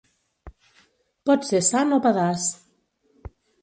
Pot ser sant o pedaç.